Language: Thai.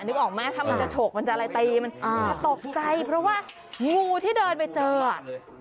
นึกออกไหมถ้ามันจะโฉกมันจะอะไรตีมันอ่าตกใจเพราะว่างูที่เดินไปเจออ่ะ